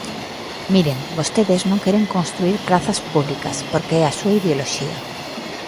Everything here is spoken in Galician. Miren, vostedes non queren construír prazas públicas porque é a súa ideoloxía.